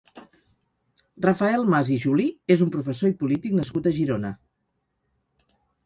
Rafael Mas i Juli és un professor i polític nascut a Girona.